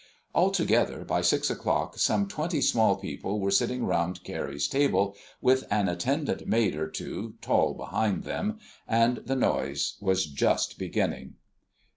Altogether by six o'clock some twenty small people were sitting round Carrie's table, with an attendant maid or two tall behind them, and the noise was just beginning.